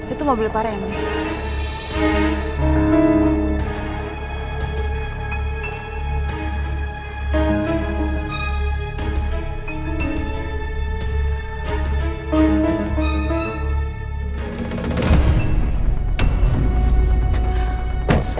itu mobil parah ya mbak